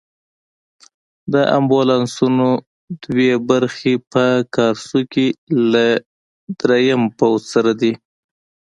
د امبولانسونو دوه برخې په کارسو کې له دریم پوځ سره دي.